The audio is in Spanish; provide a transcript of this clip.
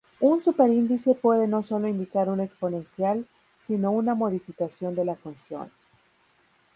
Un superíndice puede no solo indicar un exponencial, sino una modificación de la función.